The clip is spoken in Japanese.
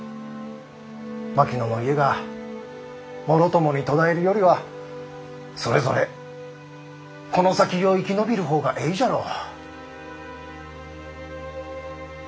槙野の家がもろともに途絶えるよりはそれぞれこの先を生き延びる方がえいじゃろう。